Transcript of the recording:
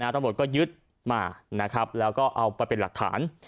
ตำรวจก็ยึดมานะครับแล้วก็เอาไปเป็นหลักฐาน